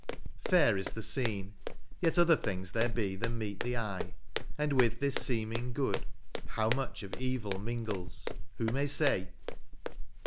Fair is the scene, yet other things there be Than meet the eye ; and with this seeming good How much of evil mingles, who may say